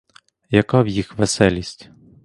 Яка в їх веселість?